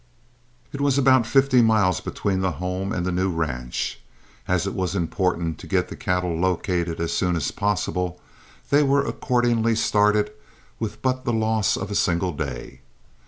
It was about fifty miles between the home and the new ranch. As it was important to get the cattle located as soon as possible, they were accordingly started with but the loss of a single day.